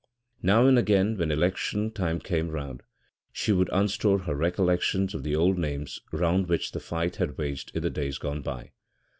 Now and again, when election time came round, she would unstore her recollections of the old names round which the fight had waged in the days gone by.